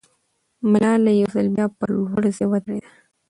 ملاله یو ځل بیا پر لوړ ځای ودرېده.